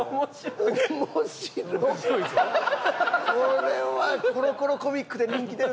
これは『コロコロコミック』で人気出る。